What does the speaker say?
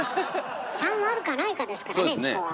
３あるかないかですからねチコは。